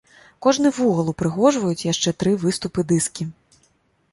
Кожны вугал упрыгожваюць яшчэ тры выступы-дыскі.